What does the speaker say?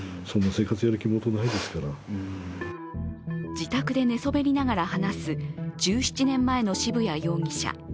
自宅で寝そべりながら話す１７年前の渋谷容疑者。